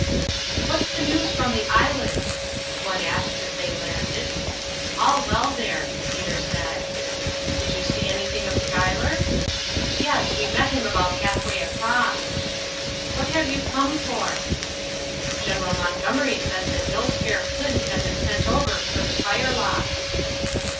"What's the news from the island?" one asked as they landed. "All well there," Peter said. "Did you see anything of Schuyler?" "Yes, we met him about halfway across." "What have you come for?" "General Montgomery says that no spare flints have been sent over for the firelocks."